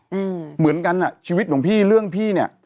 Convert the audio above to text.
อืมเหมือนกันอ่ะชีวิตหลวงพี่เรื่องพี่เนี้ย